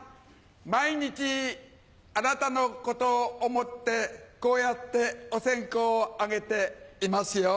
毎日あなたのことを思ってこうやってお線香を上げていますよ。